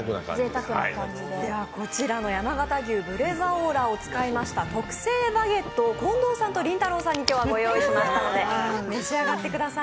こちらの山形牛ブレザオラを使いました梅澤さんのオススメの特製バゲットを近藤さんとりんたろーさんに今日はご用意しましたので、召し上がってください。